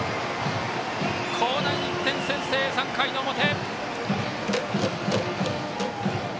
興南が１点先制、３回の表！